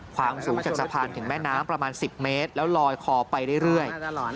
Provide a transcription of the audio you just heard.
ความสูงจากสะพานถึงแม่น้ำประมาณ๑๐เมตรแล้วลอยคอไปเรื่อย